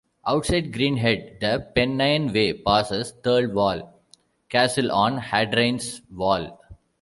Outside Greenhead the Pennine Way passes Thirlwall Castle on Hadrian's Wall.